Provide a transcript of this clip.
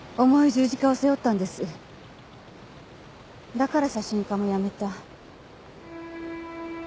だから写真家も辞めた。